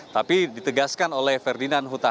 tapi ditegaskan oleh ferdinand hutahian